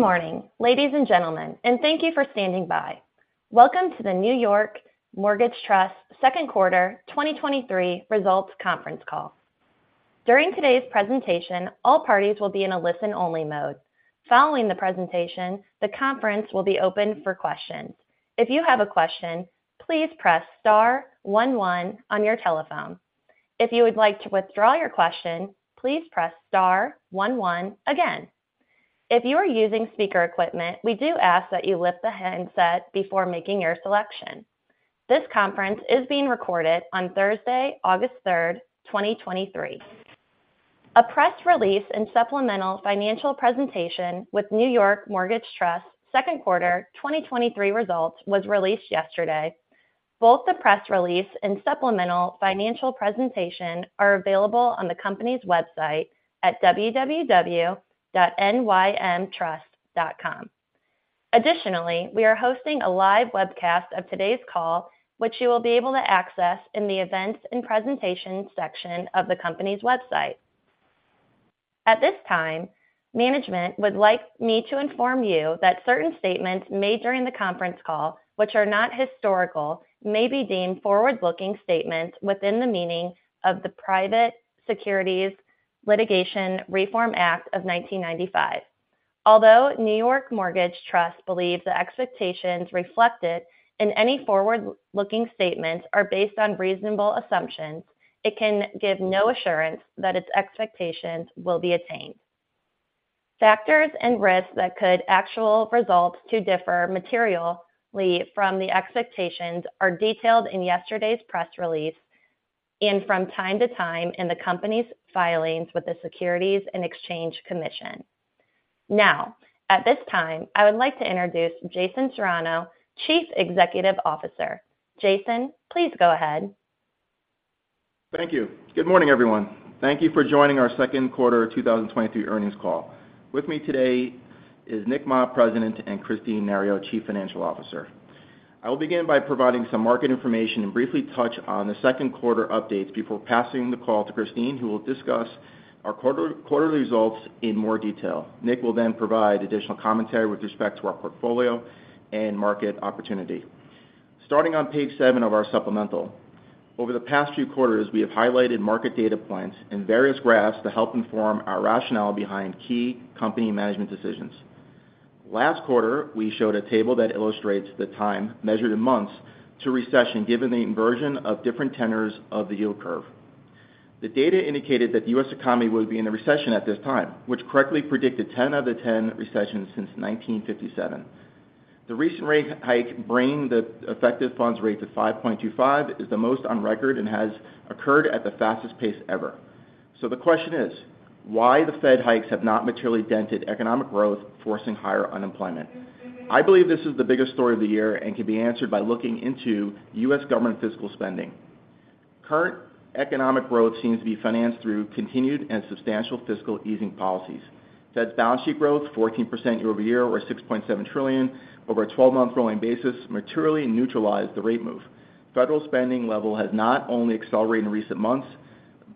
Good morning, ladies and gentlemen, and thank you for standing by. Welcome to the New York Mortgage Trust second quarter 2023 results conference call. During today's presentation, all parties will be in a listen-only mode. Following the presentation, the conference will be open for questions. If you have a question, please press star one one on your telephone. If you would like to withdraw your question, please press star one one again. If you are using speaker equipment, we do ask that you lift the handset before making your selection. This conference is being recorded on Thursday, August 3, 2023. A press release and supplemental financial presentation with New York Mortgage Trust second quarter 2023 results was released yesterday. Both the press release and supplemental financial presentation are available on the company's website at www.nymtrust.com. Additionally, we are hosting a live webcast of today's call, which you will be able to access in the Events and Presentations section of the company's website. At this time, management would like me to inform you that certain statements made during the conference call, which are not historical, may be deemed forward-looking statements within the meaning of the Private Securities Litigation Reform Act of 1995. Although New York Mortgage Trust believes the expectations reflected in any forward-looking statements are based on reasonable assumptions, it can give no assurance that its expectations will be attained. Factors and risks that could actual results to differ materially from the expectations are detailed in yesterday's press release and from time to time in the company's filings with the Securities and Exchange Commission. At this time, I would like to introduce Jason Serrano, Chief Executive Officer. Jason, please go ahead. Thank you. Good morning, everyone. Thank you for joining our second quarter 2023 earnings call. With me today is Nick Ma, President, and Kristine Nario, Chief Financial Officer. I will begin by providing some market information and briefly touch on the second quarter updates before passing the call to Kristine, who will discuss our quarterly results in more detail. Nick will then provide additional commentary with respect to our portfolio and market opportunity. Starting on Page 7 of our supplemental. Over the past few quarters, we have highlighted market data points and various graphs to help inform our rationale behind key company management decisions. Last quarter, we showed a table that illustrates the time measured in months to recession, given the inversion of different tenors of the yield curve. The data indicated that the US economy would be in a recession at this time, which correctly predicted 10 out of the 10 recessions since 1957. The recent rate hike bringing the effective funds rate to 5.25% is the most on record and has occurred at the fastest pace ever. The question is, why the Fed hikes have not materially dented economic growth, forcing higher unemployment? I believe this is the biggest story of the year and can be answered by looking into U.S. government fiscal spending. Current economic growth seems to be financed through continued and substantial fiscal easing policies. Fed's balance sheet growth, 14% year over year, or $6.7 trillion over a 12-month rolling basis, materially neutralized the rate move. Federal spending level has not only accelerated in recent months,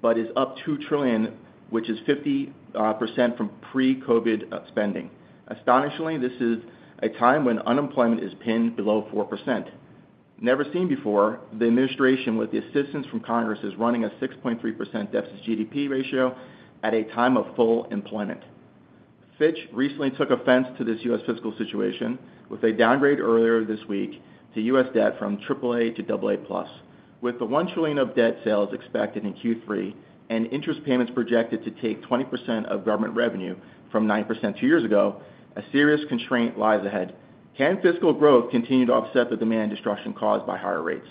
but is up 2 trillion, which is 50% from pre-COVID spending. Astonishingly, this is a time when unemployment is pinned below 4%. Never seen before, the administration, with the assistance from Congress, is running a 6.3% deficit GDP ratio at a time of full employment. Fitch recently took offense to this US fiscal situation with a downgrade earlier this week to U.S. debt from AAA to AA+. The 1 trillion of debt sales expected in Q3 and interest payments projected to take 20% of government revenue from 9% two years ago, a serious constraint lies ahead. Can fiscal growth continue to offset the demand destruction caused by higher rates?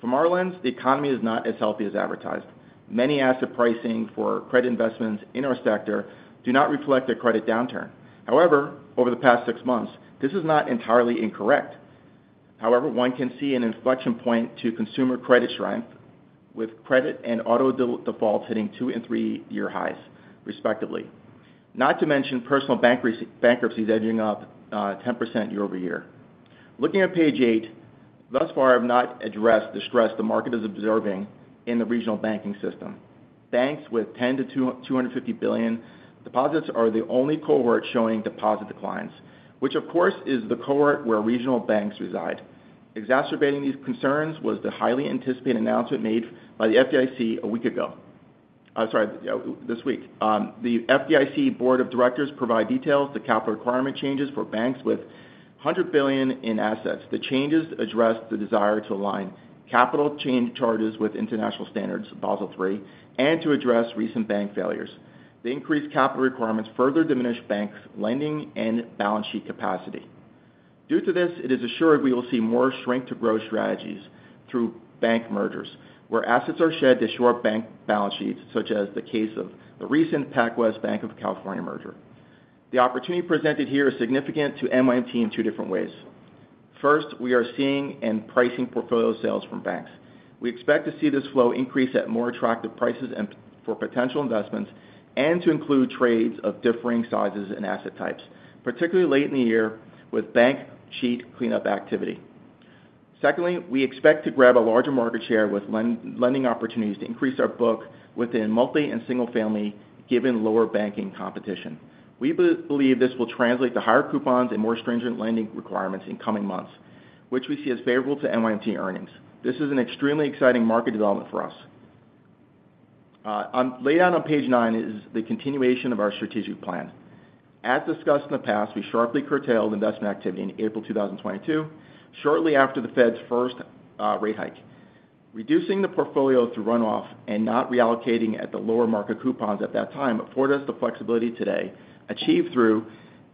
From our lens, the economy is not as healthy as advertised. Many asset pricing for credit investments in our sector do not reflect a credit downturn. However, over the past six months, this is not entirely incorrect. However, one can see an inflection point to consumer credit strength, with credit and auto delinquencies hitting two and three-year highs, respectively. Not to mention personal bankruptcy, bankruptcies edging up 10% year-over-year. Looking at page eight, thus far, I have not addressed the stress the market is observing in the regional banking system. Banks with $10 billion-$250 billion deposits are the only cohort showing deposit declines, which of course, is the cohort where regional banks reside. Exacerbating these concerns was the highly anticipated announcement made by the FDIC a week ago, sorry, this week. The FDIC Board of Directors provide details the capital requirement changes for banks with $100 billion in assets. The changes address the desire to align capital change charges with international standards, Basel III, and to address recent bank failures. The increased capital requirements further diminish banks' lending and balance sheet capacity. Due to this, it is assured we will see more strength to growth strategies through bank mergers, where assets are shed to shore bank balance sheets, such as the case of the recent Pacific Western Bank merger. The opportunity presented here is significant to NYMT in two different ways. First, we are seeing and pricing portfolio sales from banks. We expect to see this flow increase at more attractive prices and for potential investments, and to include trades of differing sizes and asset types, particularly late in the year with bank balance sheet cleanup activity. Secondly, we expect to grab a larger market share with lending opportunities to increase our book within multifamily and single-family, given lower banking competition. We believe this will translate to higher coupons and more stringent lending requirements in coming months, which we see as favorable to NYMT earnings. This is an extremely exciting market development for us. Laid out on page nine is the continuation of our strategic plan. As discussed in the past, we sharply curtailed investment activity in April 2022, shortly after the Fed's first rate hike. Reducing the portfolio through runoff and not reallocating at the lower market coupons at that time, afforded us the flexibility today, achieved through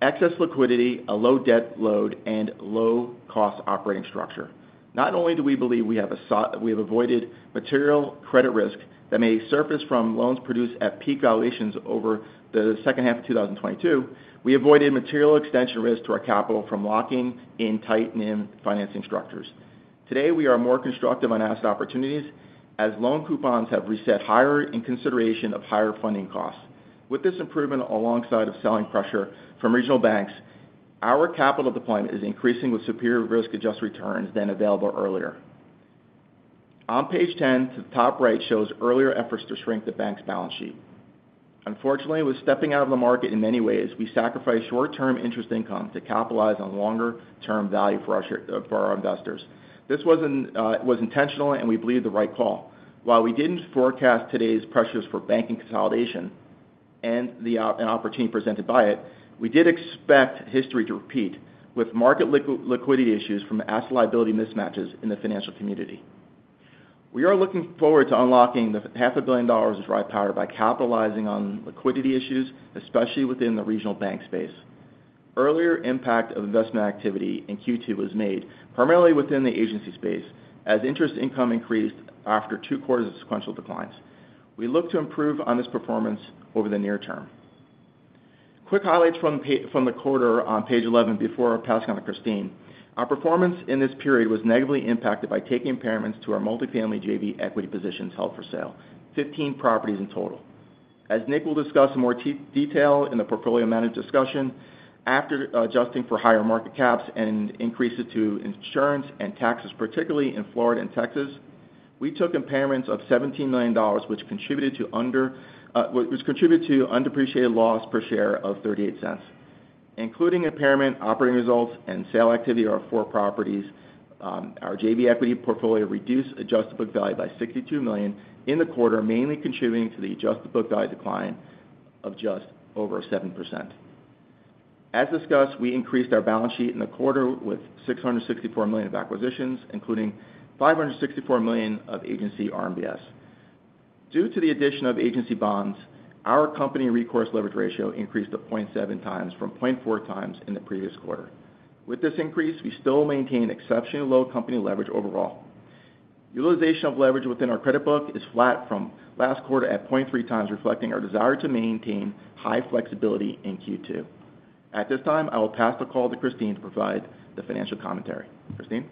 excess liquidity, a low debt load, and low-cost operating structure. Not only do we believe we have avoided material credit risk that may surface from loans produced at peak valuations over the second half of 2022, we avoided material extension risk to our capital from locking in tight-NIM financing structures. Today, we are more constructive on asset opportunities, as loan coupons have reset higher in consideration of higher funding costs. With this improvement, alongside of selling pressure from regional banks, our capital deployment is increasing with superior risk-adjusted returns than available earlier. On page ten, to the top right, shows earlier efforts to shrink the bank's balance sheet. Unfortunately, with stepping out of the market in many ways, we sacrificed short-term interest income to capitalize on longer-term value for our investors. This wasn't intentional, and we believe the right call. While we didn't forecast today's pressures for banking consolidation and an opportunity presented by it, we did expect history to repeat, with market liquidity issues from asset liability mismatches in the financial community. We are looking forward to unlocking the $500 million of dry powder by capitalizing on liquidity issues, especially within the regional bank space. Earlier impact of investment activity in Q2 was made primarily within the agency space, as interest income increased after two quarters of sequential declines. We look to improve on this performance over the near term. Quick highlights from the quarter on page 11 before passing on to Kristine. Our performance in this period was negatively impacted by taking impairments to our multifamily JV equity positions held for sale, 15 properties in total. As Nick will discuss in more detail in the portfolio managed discussion, after adjusting for higher market caps and increases to insurance and taxes, particularly in Florida and Texas, we took impairments of $17 million, which contributed to undepreciated loss per share of $0.38. Including impairment, operating results, and sale activity of our four properties, our JV equity portfolio reduced adjusted book value by $62 million in the quarter, mainly contributing to the adjusted book value decline of just over 7%. As discussed, we increased our balance sheet in the quarter with $664 million of acquisitions, including $546 million of agency RMBS. Due to the addition of agency bonds, our company recourse leverage ratio increased to 0.7 times from 0.4 times in the previous quarter. With this increase, we still maintain exceptionally low company leverage overall. Utilization of leverage within our credit book is flat from last quarter at 0.3 times, reflecting our desire to maintain high flexibility in Q2. At this time, I will pass the call to Kristine to provide the financial commentary. Kristine?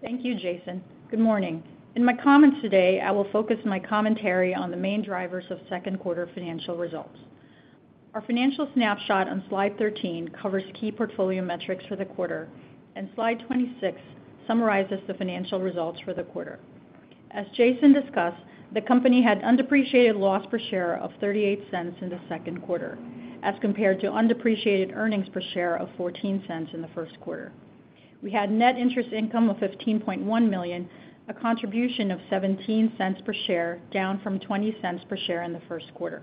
Thank you, Jason. Good morning. In my comments today, I will focus my commentary on the main drivers of second quarter financial results. Our financial snapshot on slide 13 covers key portfolio metrics for the quarter, and slide 26 summarizes the financial results for the quarter. As Jason discussed, the company had undepreciated loss per share of $0.38 in the second quarter, as compared to undepreciated earnings per share of $0.14 in the first quarter. We had net interest income of $15.1 million, a contribution of $0.17 per share, down from $0.20 per share in the first quarter.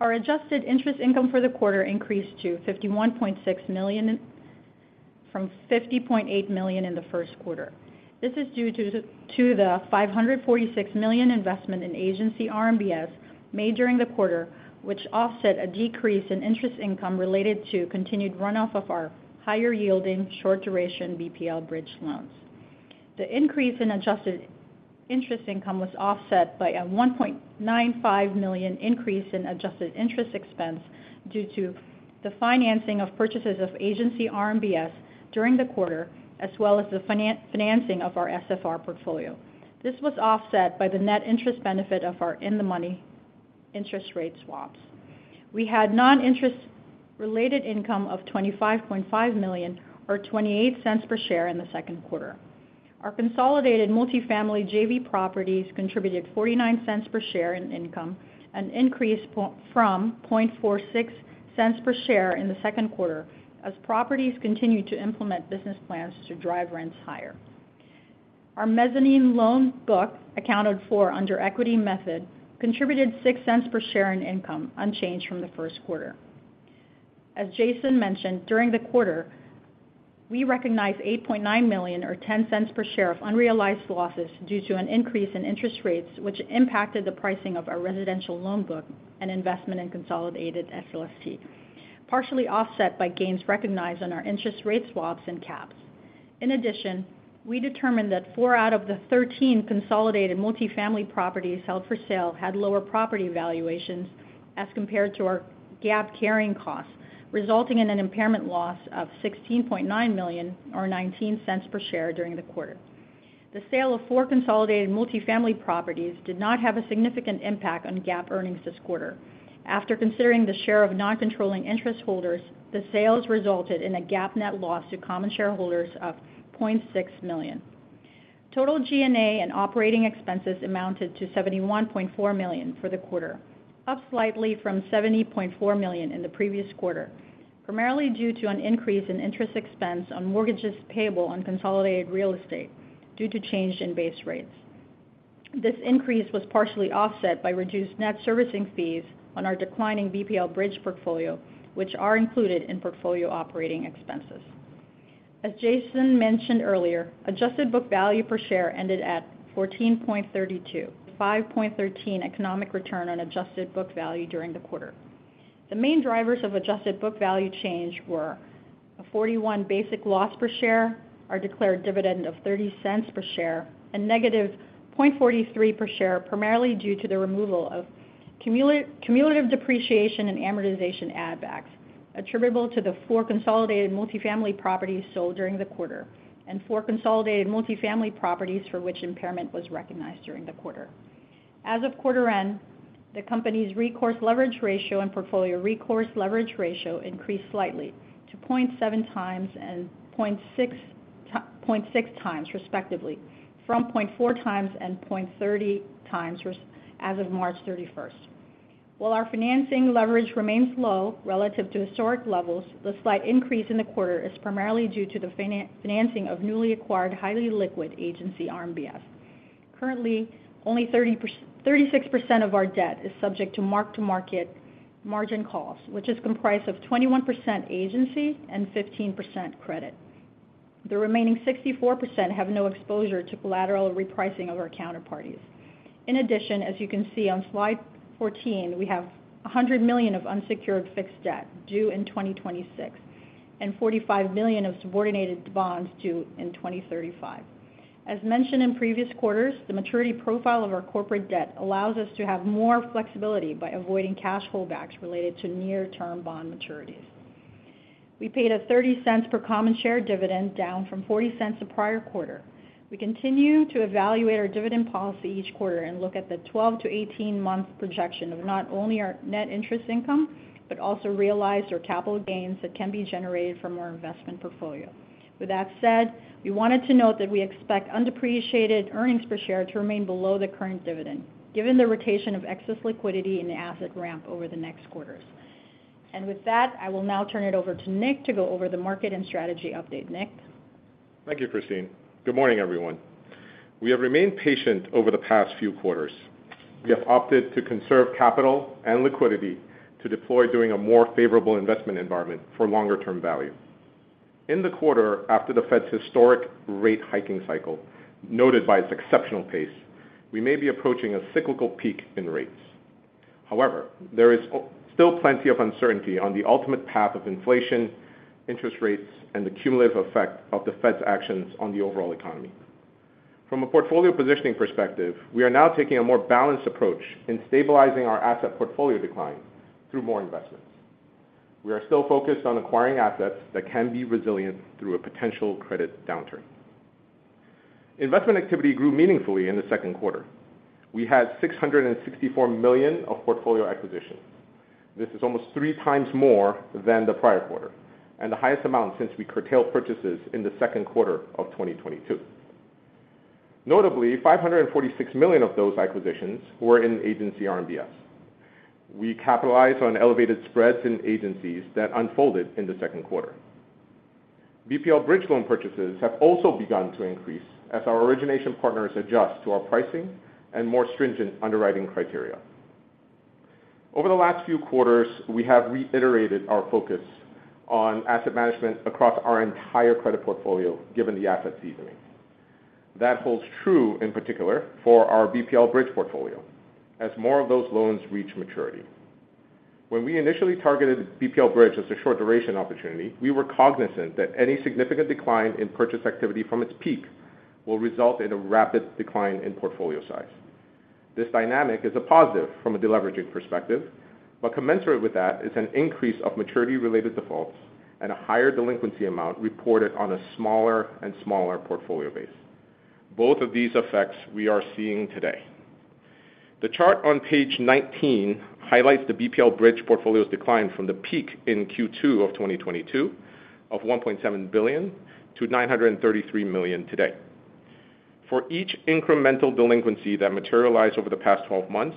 Our adjusted interest income for the quarter increased to $51.6 million, from $50.8 million in the first quarter. This is due to the $546 million investment in agency RMBS made during the quarter, which offset a decrease in interest income related to continued runoff of our higher-yielding, short-duration BPL bridge loans. The increase in adjusted interest income was offset by a $1.95 million increase in adjusted interest expense due to the financing of purchases of agency RMBS during the quarter, as well as the financing of our SFR portfolio. This was offset by the net interest benefit of our in-the-money interest rate swaps. We had non-interest related income of $25.5 million or $0.28 per share in the second quarter. Our consolidated multifamily JV properties contributed $0.49 per share in income, an increase from $0.46 per share in the second quarter, as properties continued to implement business plans to drive rents higher. Our mezzanine loan book, accounted for under equity method, contributed $0.06 per share in income, unchanged from the first quarter. As Jason mentioned, during the quarter, we recognized $8.9 million or $0.10 per share of unrealized losses due to an increase in interest rates, which impacted the pricing of our residential loan book and investment in consolidated SLST, partially offset by gains recognized on our interest rate swaps and caps. In addition, we determined that four out of the 13 consolidated multifamily properties held for sale had lower property valuations as compared to our GAAP carrying costs, resulting in an impairment loss of $16.9 million or $0.19 per share during the quarter. The sale of four consolidated multifamily properties did not have a significant impact on GAAP earnings this quarter. After considering the share of non-controlling interest holders, the sales resulted in a GAAP net loss to common shareholders of $0.6 million. Total G&A and operating expenses amounted to $71.4 million for the quarter, up slightly from $70.4 million in the previous quarter, primarily due to an increase in interest expense on mortgages payable on consolidated real estate due to change in base rates. This increase was partially offset by reduced net servicing fees on our declining BPL Bridge portfolio, which are included in portfolio operating expenses. As Jason mentioned earlier, adjusted book value per share ended at $14.32, 5.13% economic return on adjusted book value during the quarter. The main drivers of adjusted book value change were a $0.41 basic loss per share, our declared dividend of $0.30 per share, and negative $0.43 per share, primarily due to the removal of cumulative depreciation and amortization add backs, attributable to the four consolidated multifamily properties sold during the quarter, and four consolidated multifamily properties for which impairment was recognized during the quarter. As of quarter end, the company's recourse leverage ratio and portfolio recourse leverage ratio increased slightly to 0.7x and 0.6x, respectively, from 0.4x and 0.3x as of March 31. While our financing leverage remains low relative to historic levels, the slight increase in the quarter is primarily due to the financing of newly acquired, highly liquid agency RMBS. Currently, only 36% of our debt is subject to mark-to-market margin calls, which is comprised of 21% agency and 15% credit. The remaining 64% have no exposure to collateral repricing of our counterparties. As you can see on Slide 14, we have $100 million of unsecured fixed debt due in 2026, and $45 million of subordinated bonds due in 2035. As mentioned in previous quarters, the maturity profile of our corporate debt allows us to have more flexibility by avoiding cash flowbacks related to near-term bond maturities. We paid a $0.30 per common share dividend, down from $0.40 the prior quarter. We continue to evaluate our dividend policy each quarter and look at the 12-18 month projection of not only our net interest income, but also realized or capital gains that can be generated from our investment portfolio. With that said, we wanted to note that we expect undepreciated earnings per share to remain below the current dividend, given the rotation of excess liquidity and the asset ramp over the next quarters. With that, I will now turn it over to Nick to go over the market and strategy update. Nick? Thank you, Kristine. Good morning, everyone. We have remained patient over the past few quarters. We have opted to conserve capital and liquidity to deploy during a more favorable investment environment for longer-term value. In the quarter, after the Fed's historic rate hiking cycle, noted by its exceptional pace, we may be approaching a cyclical peak in rates. However, there is still plenty of uncertainty on the ultimate path of inflation, interest rates, and the cumulative effect of the Fed's actions on the overall economy. From a portfolio positioning perspective, we are now taking a more balanced approach in stabilizing our asset portfolio decline through more investments. We are still focused on acquiring assets that can be resilient through a potential credit downturn. Investment activity grew meaningfully in the second quarter. We had $664 million of portfolio acquisitions. This is almost three times more than the prior quarter, and the highest amount since we curtailed purchases in the second quarter of 2022. Notably, $546 million of those acquisitions were in agency RMBS. We capitalized on elevated spreads in agencies that unfolded in the second quarter. BPL Bridge loan purchases have also begun to increase as our origination partners adjust to our pricing and more stringent underwriting criteria. Over the last few quarters, we have reiterated our focus on asset management across our entire credit portfolio, given the asset seasoning. That holds true, in particular, for our BPL Bridge portfolio, as more of those loans reach maturity. When we initially targeted BPL Bridge as a short duration opportunity, we were cognizant that any significant decline in purchase activity from its peak will result in a rapid decline in portfolio size. This dynamic is a positive from a deleveraging perspective, but commensurate with that is an increase of maturity-related defaults and a higher delinquency amount reported on a smaller and smaller portfolio base. Both of these effects we are seeing today. The chart on page 19 highlights the BPL Bridge portfolio's decline from the peak in Q2 of 2022 of $1.7 billion to $933 million today. For each incremental delinquency that materialized over the past 12 months,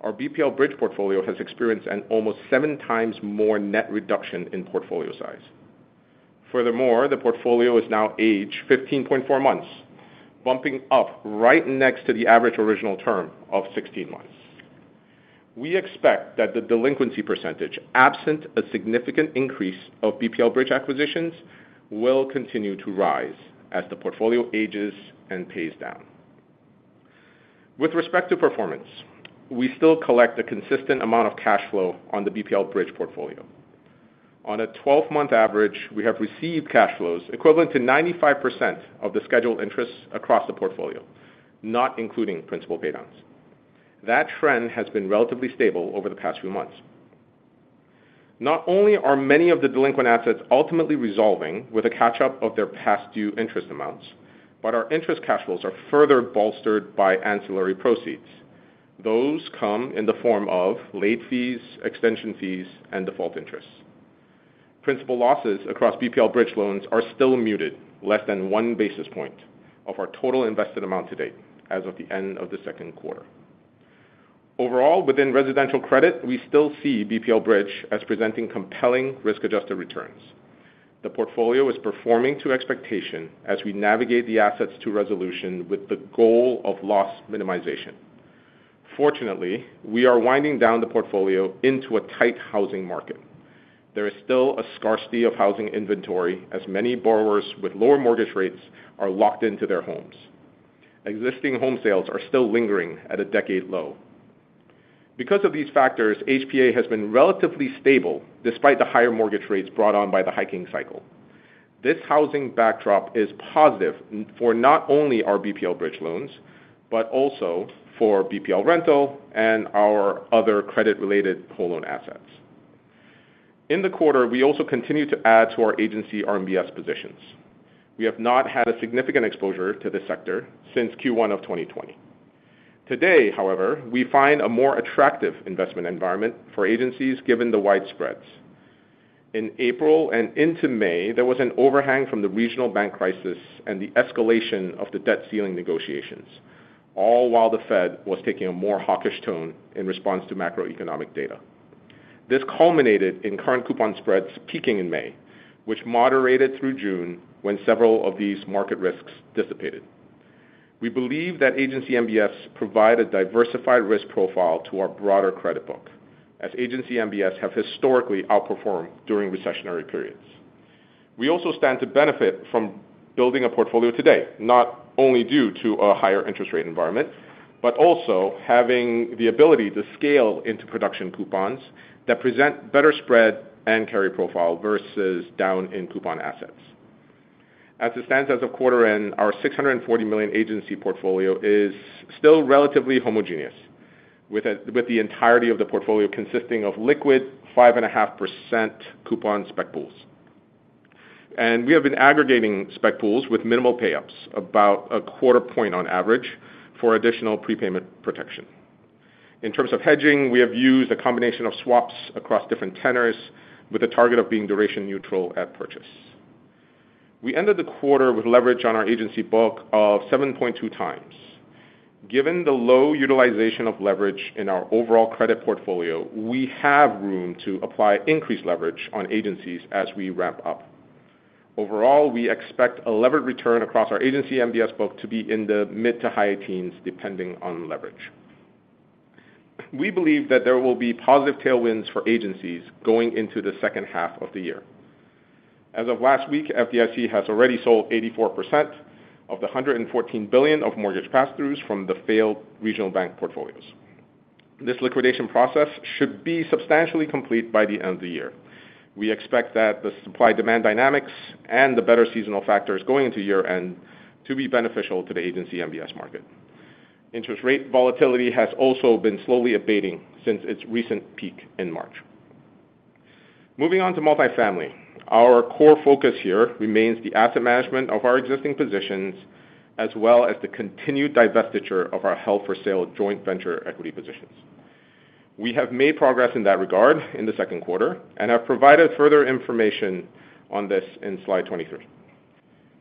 our BPL Bridge portfolio has experienced an almost 7 times more net reduction in portfolio size. Furthermore, the portfolio is now aged 15.4 months, bumping up right next to the average original term of 16 months. We expect that the delinquency percentage, absent a significant increase of BPL Bridge acquisitions, will continue to rise as the portfolio ages and pays down. With respect to performance, we still collect a consistent amount of cash flow on the BPL Bridge portfolio. On a 12-month average, we have received cash flows equivalent to 95% of the scheduled interests across the portfolio, not including principal paydowns. That trend has been relatively stable over the past few months. Not only are many of the delinquent assets ultimately resolving with a catch up of their past due interest amounts, but our interest cash flows are further bolstered by ancillary proceeds. Those come in the form of late fees, extension fees, and default interests. Principal losses across BPL Bridge loans are still muted, less than 1 basis point of our total invested amount to date as of the end of the second quarter. Overall, within residential credit, we still see BPL Bridge as presenting compelling risk-adjusted returns. The portfolio is performing to expectation as we navigate the assets to resolution with the goal of loss minimization. Fortunately, we are winding down the portfolio into a tight housing market. There is still a scarcity of housing inventory, as many borrowers with lower mortgage rates are locked into their homes. Existing home sales are still lingering at a decade low. Because of these factors, HPA has been relatively stable despite the higher mortgage rates brought on by the hiking cycle. This housing backdrop is positive for not only our BPL Bridge loans, but also for BPL Rental and our other credit-related whole loan assets. In the quarter, we also continued to add to our agency RMBS positions. We have not had a significant exposure to this sector since Q1 of 2020. Today, however, we find a more attractive investment environment for agencies, given the wide spreads. In April and into May, there was an overhang from the regional bank crisis and the escalation of the debt ceiling negotiations, all while the Fed was taking a more hawkish tone in response to macroeconomic data. This culminated in current coupon spreads peaking in May, which moderated through June when several of these market risks dissipated. We believe that agency MBS provide a diversified risk profile to our broader credit book, as agency MBS have historically outperformed during recessionary periods. We also stand to benefit from building a portfolio today, not only due to a higher interest rate environment, but also having the ability to scale into production coupons that present better spread and carry profile versus down in coupon assets. As it stands as of quarter end, our $640 million agency portfolio is still relatively homogeneous, with the entirety of the portfolio consisting of liquid 5.5% coupon spec pools. We have been aggregating spec pools with minimal payups, about a 0.25 point on average, for additional prepayment protection. In terms of hedging, we have used a combination of swaps across different tenors, with a target of being duration neutral at purchase. We ended the quarter with leverage on our agency book of 7.2x. Given the low utilization of leverage in our overall credit portfolio, we have room to apply increased leverage on agencies as we ramp up. Overall, we expect a levered return across our agency MBS book to be in the mid- to high-teens, depending on leverage. We believe that there will be positive tailwinds for agencies going into the second half of the year. As of last week, FDIC has already sold 84% of the $114 billion of mortgage pass-throughs from the failed regional bank portfolios. This liquidation process should be substantially complete by the end of the year. We expect that the supply-demand dynamics and the better seasonal factors going into year-end to be beneficial to the agency MBS market. Interest rate volatility has also been slowly abating since its recent peak in March. Moving on to multifamily. Our core focus here remains the asset management of our existing positions, as well as the continued divestiture of our held-for-sale joint venture equity positions. We have made progress in that regard in the second quarter and have provided further information on this in slide 23.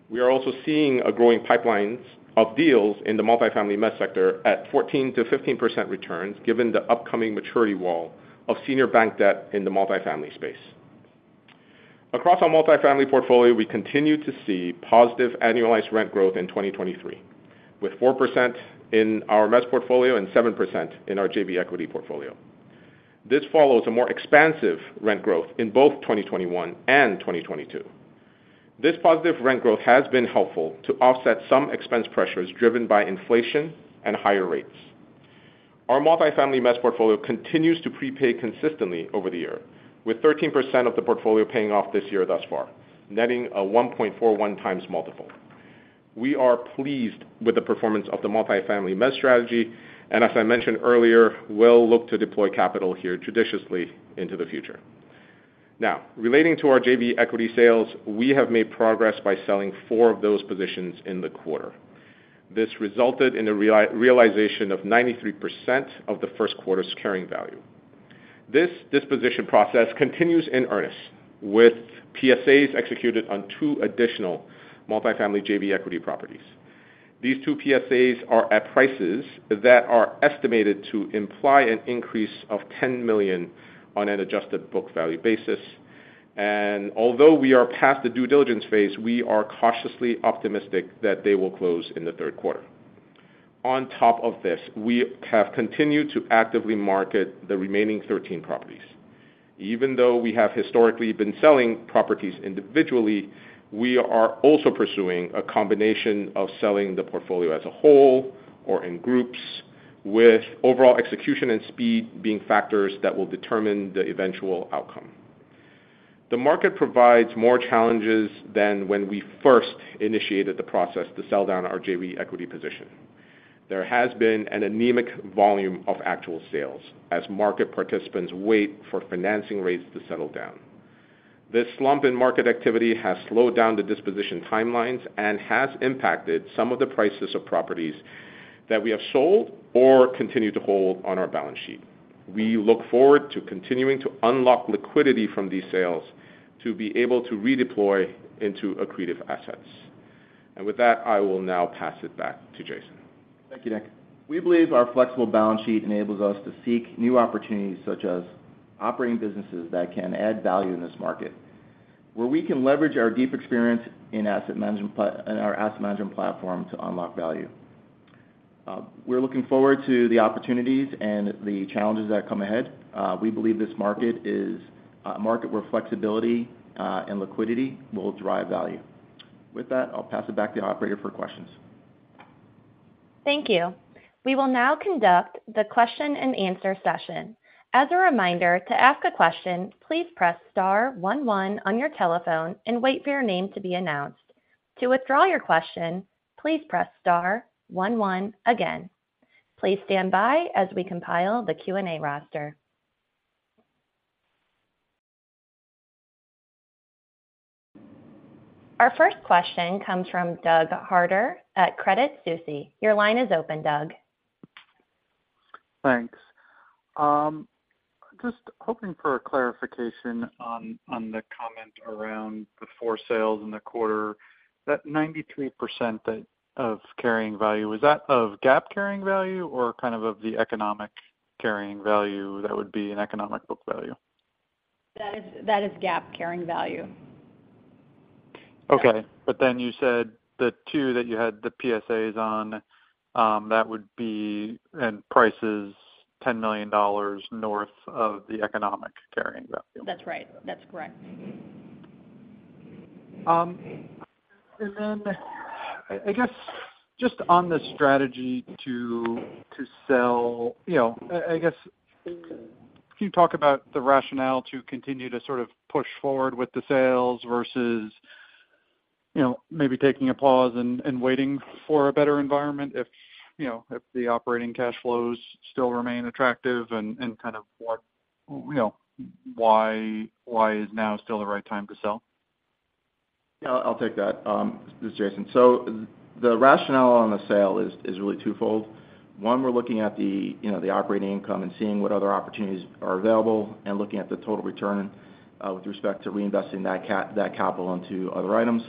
We are also seeing a growing pipelines of deals in the multifamily mezz sector at 14%-15% returns, given the upcoming maturity wall of senior bank debt in the multifamily space. Across our multifamily portfolio, we continue to see positive annualized rent growth in 2023, with 4% in our mezz portfolio and 7% in our JV equity portfolio. This follows a more expansive rent growth in both 2021 and 2022. This positive rent growth has been helpful to offset some expense pressures driven by inflation and higher rates. Our multifamily mezz portfolio continues to prepay consistently over the year, with 13% of the portfolio paying off this year thus far, netting a 1.41x multiple. We are pleased with the performance of the multifamily mezz strategy, and as I mentioned earlier, we'll look to deploy capital here judiciously into the future. Now, relating to our JV equity sales, we have made progress by selling four of those positions in the quarter. This resulted in a realization of 93% of the first quarter's carrying value. This disposition process continues in earnest, with PSAs executed on two additional multifamily JV equity properties. These two PSAs are at prices that are estimated to imply an increase of $10 million on an adjusted book value basis, and although we are past the due diligence phase, we are cautiously optimistic that they will close in the third quarter. On top of this, we have continued to actively market the remaining 13 properties. Even though we have historically been selling properties individually, we are also pursuing a combination of selling the portfolio as a whole or in groups, with overall execution and speed being factors that will determine the eventual outcome. The market provides more challenges than when we first initiated the process to sell down our JV equity position. There has been an anemic volume of actual sales as market participants wait for financing rates to settle down. This slump in market activity has slowed down the disposition timelines and has impacted some of the prices of properties that we have sold or continued to hold on our balance sheet. We look forward to continuing to unlock liquidity from these sales to be able to redeploy into accretive assets. With that, I will now pass it back to Jason. Thank you, Nick. We believe our flexible balance sheet enables us to seek new opportunities, such as operating businesses that can add value in this market, where we can leverage our deep experience in our asset management platform to unlock value. We're looking forward to the opportunities and the challenges that come ahead. We believe this market is a market where flexibility and liquidity will drive value. With that, I'll pass it back to the operator for questions. Thank you. We will now conduct the question and answer session. As a reminder, to ask a question, please press star one one on your telephone and wait for your name to be announced. To withdraw your question, please press star one one again. Please stand by as we compile the Q&A roster. Our first question comes from Doug Harder at Credit Suisse. Your line is open, Doug. Thanks. just hoping for a clarification on, on the comment around the four sales in the quarter. That 93% that, of carrying value, is that of GAAP carrying value or kind of, of the economic carrying value, that would be an economic book value? That is, that is GAAP carrying value. Okay. Then you said the two that you had the PSAs on, that would be in prices $10 million north of the economic carrying value. That's right. That's correct. Then, I, I guess, just on the strategy to, to sell, you know, I, I guess, can you talk about the rationale to continue to sort of push forward with the sales versus, you know, maybe taking a pause and, and waiting for a better environment if, you know, if the operating cash flows still remain attractive, you know, why, why is now still the right time to sell? Yeah, I'll take that. This is Jason. The rationale on the sale is, is really twofold. One, we're looking at the, you know, the operating income and seeing what other opportunities are available and looking at the total return with respect to reinvesting that capital into other items.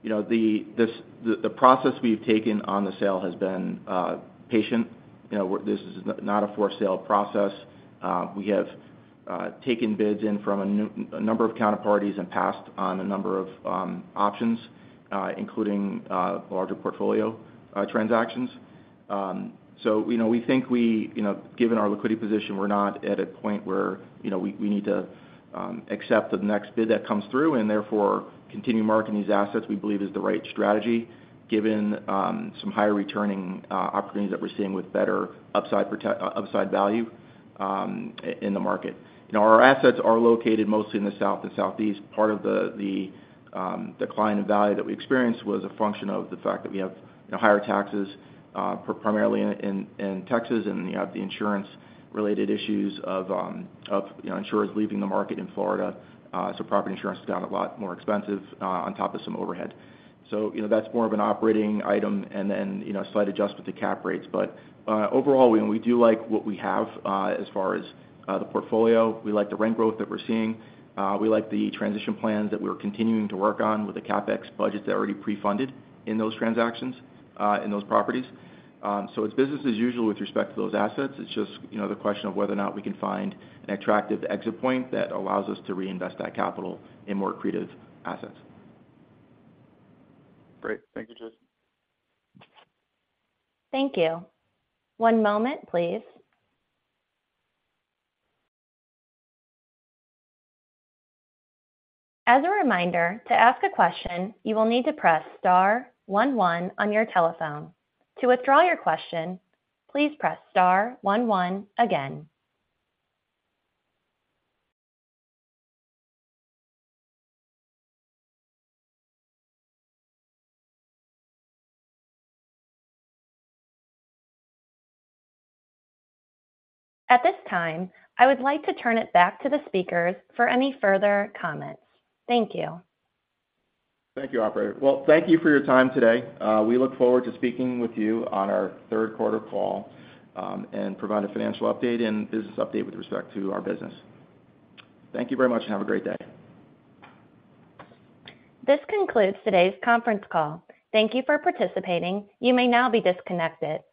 You know, the, this, the, the process we've taken on the sale has been patient. You know, this is not a for-sale process. We have taken bids in from a number of counterparties and passed on a number of options, including larger portfolio transactions. We know, we think we - you know, given our liquidity position, we're not at a point where, you know, we, we need to accept the next bid that comes through, therefore, continuing to market these assets, we believe is the right strategy, given some higher returning opportunities that we're seeing with better upside prote- upside value in the market. You know, our assets are located mostly in the South and Southeast. Part of the, the decline in value that we experienced was a function of the fact that we have, you know, higher taxes, primarily in Texas, and you have the insurance-related issues of, of, you know, insurers leaving the market in Florida. Property insurance has gotten a lot more expensive on top of some overhead. You know, that's more of an operating item and then, you know, a slight adjustment to cap rates. Overall, we, we do like what we have, as far as the portfolio. We like the rent growth that we're seeing. We like the transition plans that we're continuing to work on with the CapEx budgets that are already pre-funded in those transactions, in those properties. It's business as usual with respect to those assets. It's just, you know, the question of whether or not we can find an attractive exit point that allows us to reinvest that capital in more accretive assets. Great. Thank you, Jason. Thank you. One moment, please. As a reminder, to ask a question, you will need to press star one one on your telephone. To withdraw your question, please press star one one again. At this time, I would like to turn it back to the speakers for any further comments. Thank you. Thank you, operator. Well, thank you for your time today. We look forward to speaking with you on our third quarter call, and provide a financial update and business update with respect to our business. Thank you very much. Have a great day. This concludes today's conference call. Thank you for participating. You may now be disconnected.